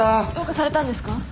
どうかされたんですか？